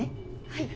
はい。